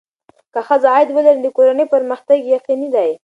که ښځه عاید ولري، نو د کورنۍ پرمختګ یقیني دی.